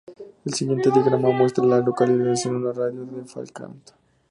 El siguiente diagrama muestra a las localidades en un radio de de Falkland.